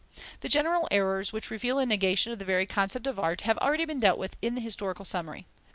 The general errors which reveal a negation of the very concept of art have already been dealt with in the Historical Summary.